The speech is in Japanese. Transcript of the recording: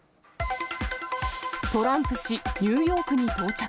トランプ氏、ニューヨークに到着。